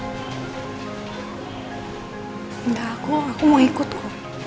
enggak aku aku mau ikut kok